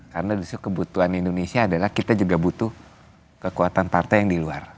karena kebutuhan indonesia adalah kita juga butuh kekuatan partai yang di luar